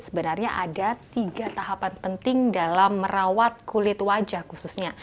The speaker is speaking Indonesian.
sebenarnya ada tiga tahapan penting dalam merawat kulit wajah khususnya